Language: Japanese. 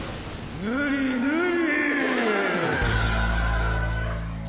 ぬりぬり。